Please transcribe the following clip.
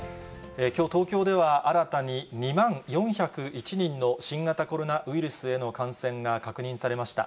きょう、東京では新たに２万４０１人の新型コロナウイルスへの感染が確認されました。